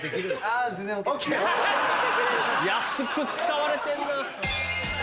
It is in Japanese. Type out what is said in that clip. あぁ。安く使われてんな。